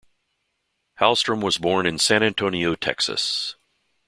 Hallstrom was born in San Antonio, Texas.